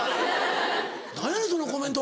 何やねんそのコメント！